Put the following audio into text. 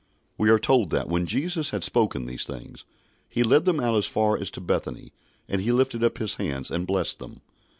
" We are told that, when Jesus had spoken these things, "He led them out as far as to Bethany, and he lifted up his hands, and blessed them.